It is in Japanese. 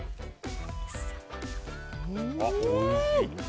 おいしい！